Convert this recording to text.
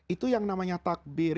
itu yang namanya takbir